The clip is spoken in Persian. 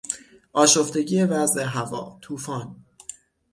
آشفتگی وضع هوا، طوفان